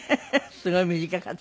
すごい短かった。